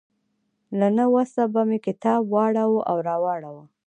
له نه وسه به مې کتاب واړاوه او راواړاوه.